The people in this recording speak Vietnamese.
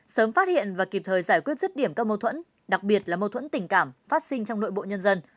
sớm phát hiện và kịp thời giải quyết rứt điểm các mâu thuẫn đặc biệt là mâu thuẫn tình cảm phát sinh trong nội bộ nhân dân